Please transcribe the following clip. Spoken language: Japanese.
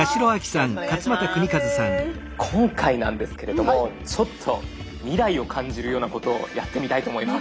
今回なんですけれどもちょっと未来を感じるようなことをやってみたいと思います。